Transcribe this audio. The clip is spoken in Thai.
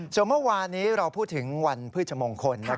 ส่วนเมื่อวานนี้เราพูดถึงวันพฤชมงคล